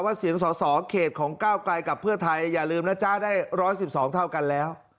เสียงสอสอเขตของก้าวไกลกับเพื่อไทยอย่าลืมนะจ๊ะได้๑๑๒เท่ากันแล้ว